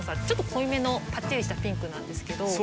ちょっと濃いめのパッチリしたピンクなんですけど。